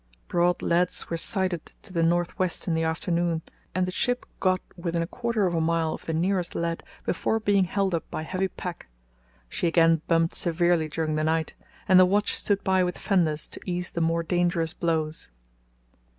Broad leads were sighted to the north west in the afternoon, and the ship got within a quarter of a mile of the nearest lead before being held up by heavy pack. She again bumped severely during the night, and the watch stood by with fenders to ease the more dangerous blows.